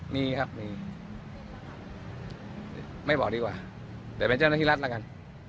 มีครับมีไม่บอกดีกว่าแต่เป็นเจ้าหน้าที่รัฐแล้วกัน